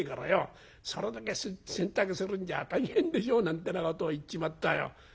『それだけ洗濯するんじゃ大変でしょう』なんてなことを言っちまったよ。